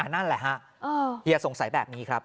นั่นแหละฮะเฮียสงสัยแบบนี้ครับ